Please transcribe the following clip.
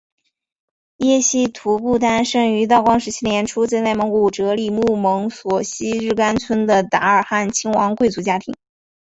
耶希图布丹生于道光十七年出自内蒙古哲里木盟索希日干村的达尔罕亲王贵族家庭。